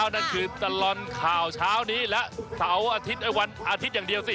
นั่นคือตลอดข่าวเช้านี้และวันอาทิตย์อย่างเดียวสิ